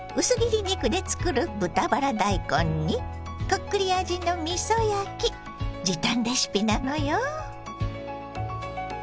薄切り肉で作る豚バラ大根にこっくり味のみそ焼き時短レシピなのよ。